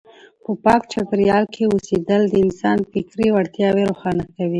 په پاک چاپیریال کې اوسېدل د انسان فکري وړتیاوې روښانه کوي.